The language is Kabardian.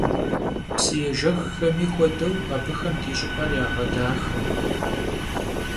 Psıêjjexxemi xuedeu, abıxem di ş'ıp'er yağedaxe.